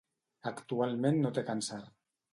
Actualment no té càncer.